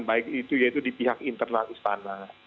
baik itu yaitu di pihak internal istana